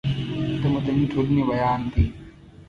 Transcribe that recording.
د مدني ټولنې ویاند دی.